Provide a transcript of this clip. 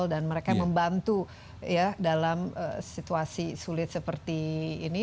mereka membantu ya dalam situasi sulit seperti ini